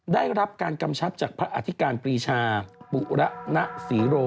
ได้รับการกำชับจากพระอธิการปรีชาปุระณศรีโร